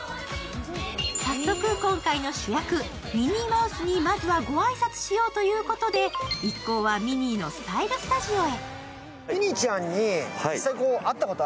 早速今回の主役、ミニーマウスにまずはご挨拶しようということで一行はミニーのスタイルスタジオへ。